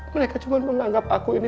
mereka cuma menganggap aku ini